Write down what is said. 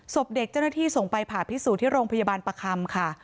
ศพเด็กเจ้าหน้าที่ส่งไปผ่าพิสูจน์ที่โรงพยาบาลประคำค่ะ